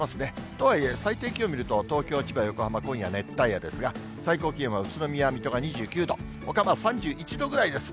とはいえ、最低気温見ますと、東京、千葉、横浜、今夜熱帯夜ですが、最高気温は宇都宮、水戸が２９度。ほかも３１度ぐらいです。